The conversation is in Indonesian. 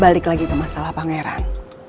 balik lagi ke masalah pangeran